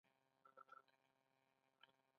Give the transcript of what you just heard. جرګه ستونزې څنګه حل کوي؟